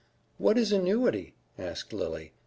"What is 'Annuity'?" asked Lily.